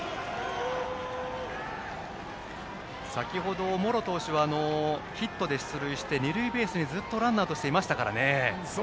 先程、茂呂投手はヒットで出塁して二塁ベースにずっとランナーとしていましたからね。